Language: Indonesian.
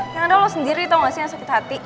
yang ada lo sendiri tau gak sih yang sakit hati